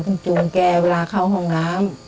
คุณจูงแกเวลาเข้าห้องน้ำ